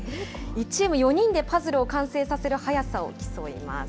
１チーム４人でパズルを完成させる速さを競います。